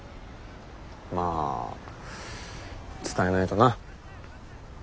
まあ伝えないとな。